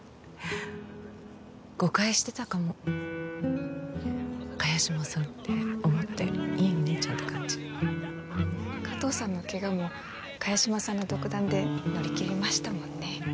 誤解してたかも萱島さんって思ったよりいいお兄ちゃんって感じ加藤さんのケガも萱島さんの独断で乗り切りましたもんね